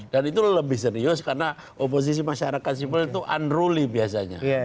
dan itu lebih serius karena oposisi masyarakat sipil itu unruly biasanya